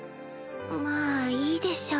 まぁいいでしょう